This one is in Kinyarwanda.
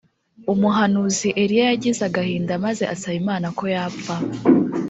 umuhanuzi eliya yagize agahinda maze asaba imana ko yapfa